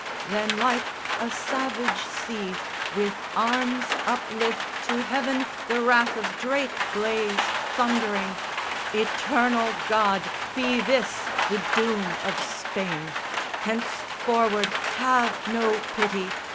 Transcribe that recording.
Then like a savage sea with arms uplift To heaven the wrath of Drake blazed thundering, "Eternal God, be this the doom of Spain! Henceforward have no pity.